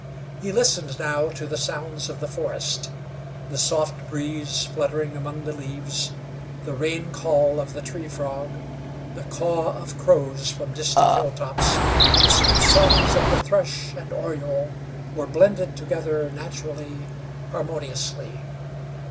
He listened now to the sounds of the forest. The soft breeze fluttering among the leaves, the rain call of the tree frog, the caw of crows from distant hilltops, the sweet songs of the thrush and oriole, were blended together naturally, harmoniously.